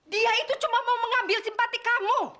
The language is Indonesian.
dia itu cuma mau mengambil simpati kamu